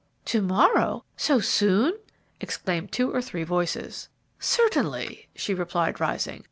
"To morrow! so soon!" exclaimed two or three voices. "Certainly," she replied, rising.